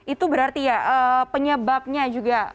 itu berarti ya penyebabnya juga